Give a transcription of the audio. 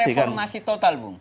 itu istilahnya kan reformasi total